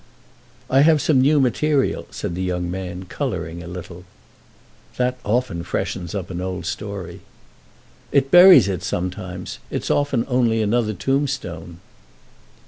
"I have some new material," said the young man, colouring a little. "That often freshens up an old story." "It buries it sometimes. It's often only another tombstone."